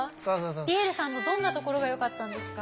ピエールさんのどんなところがよかったんですか？